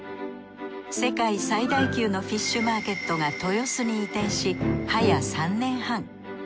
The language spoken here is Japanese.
世界最大級のフィッシュマーケットが豊洲に移転し早３年半。